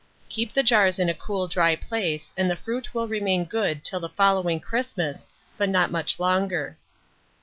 Keep the jars in a cool dry place, and the fruit will remain good till the following Christmas, but not much longer.